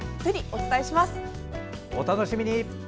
お楽しみに。